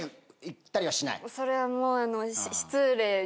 それはもう。